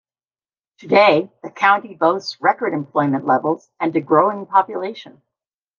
Today, the county boasts record employment levels and a growing population.